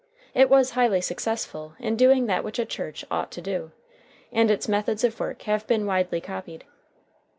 It was highly successful in doing that which a church ought to do, and its methods of work have been widely copied.